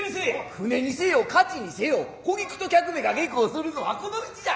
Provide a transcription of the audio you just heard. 舟にせよ徒歩にせよ小菊と客めが下向するのはこの道じゃ。